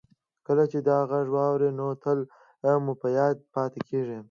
کله چې دا غږ واورئ نو تل مو په یاد پاتې کیږي